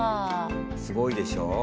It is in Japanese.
すごいでしょう。